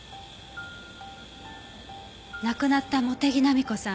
亡くなった茂手木浪子さん